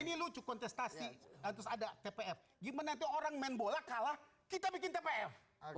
ini lucu kontestasi terus ada tpf gimana tuh orang main bola kalah kita bikin tpf